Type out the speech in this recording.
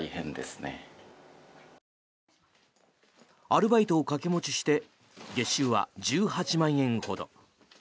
アルバイトを掛け持ちして月収は１８万円ほど。